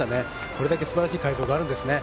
これだけ素晴らしい会場があるんですね。